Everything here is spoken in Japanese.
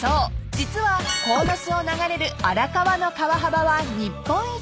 実は鴻巣を流れる荒川の川幅は日本一］